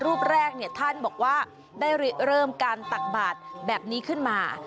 รูปแรกเนี่ยท่านบอกว่าได้เริ่มการตักบาทแบบนี้ขึ้นมา